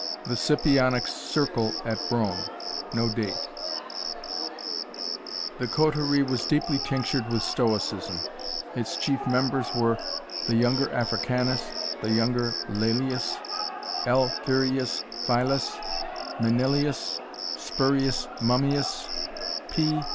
The Scipionic Circle at Rome The coterie was deeply tinctured with Stoicism. Its chief members were The younger Africanus the younger Laelius L. Furius Philus Manilius Spurius Mummius P.